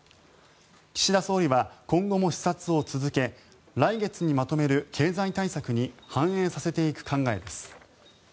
岸田総理は今後も視察を続け来月にまとめる経済対策に反映させていく考えです。